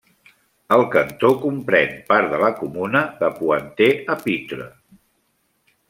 El cantó comprèn part de la comuna de Pointe-à-Pitre.